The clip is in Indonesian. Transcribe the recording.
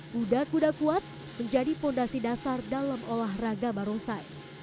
buda buda kuat menjadi fondasi dasar dalam olahraga barongsai